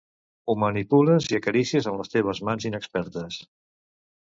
Ho manipules i acaricies amb les teves mans inexpertes.